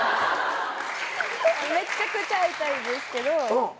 めちゃくちゃ会いたいですけど。